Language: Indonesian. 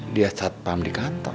dia satpam di kantor